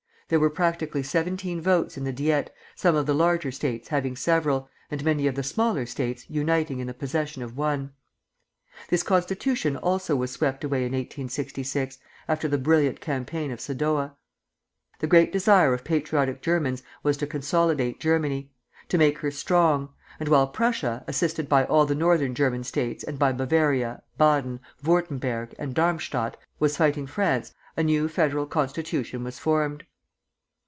There were practically seventeen votes in the Diet, some of the larger States having several, and many of the smaller States uniting in the possession of one. This Constitution also was swept away in 1866, after the brilliant campaign of Sadowa. The great desire of patriotic Germans was to consolidate Germany, to make her strong; and while Prussia, assisted by all the North German States and by Bavaria, Baden, Würtemberg, and Darmstadt, was fighting France, a new Federal, Constitution was formed.